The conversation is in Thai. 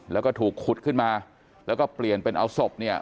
แล้วก็ถูกขุดขึ้นมาแล้วก็เปลี่ยนเป็นเอาศพเนี่ย